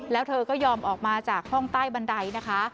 แล้วเธอก็ยอมออกมาจากห้องใต้บันไดนะคะ